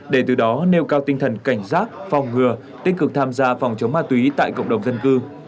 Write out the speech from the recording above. để từ đó nêu cao tinh thần cảnh giác phòng ngừa tích cực tham gia phòng chống ma túy tại cộng đồng dân cư